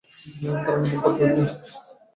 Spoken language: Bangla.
স্যার, আমি ধুমপান করি না।